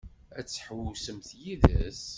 Ad tḥewwsemt yid-s?